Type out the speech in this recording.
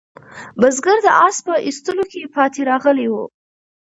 بزګر د آس په ایستلو کې پاتې راغلی و.